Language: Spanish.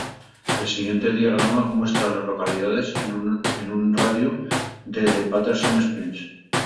El siguiente diagrama muestra a las localidades en un radio de de Patterson Springs.